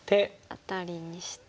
アタリにして。